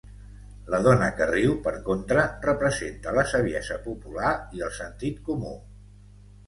La dona que riu, per contra, representa la saviesa popular i el sentit comú.